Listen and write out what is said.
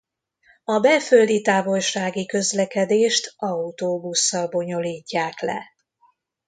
A belföldi távolsági közlekedést autóbusszal bonyolítják le.